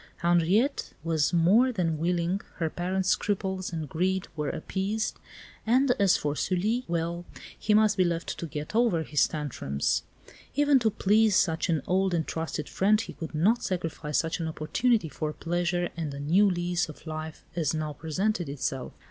Henriette was more than willing, her parents' scruples and greed were appeased, and as for Sully well, he must be left to get over his tantrums. Even to please such an old and trusted friend he could not sacrifice such an opportunity for pleasure and a new lease of life as now presented itself!